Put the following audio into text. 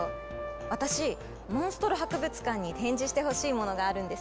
私モンストロ博物館に展示してほしいものがあるんです。